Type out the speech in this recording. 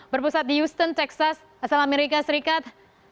berpusat di houston texas asal amerika serikat